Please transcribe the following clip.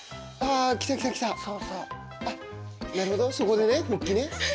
そこでね復帰ね。